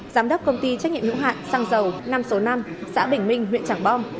giám đốc công ty trách nhiệm hữu hạn xăng dầu năm số năm xã bình minh huyện trảng bom